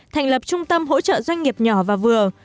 thành lập trung tâm hỗ trợ doanh nghiệp nhỏ và vừa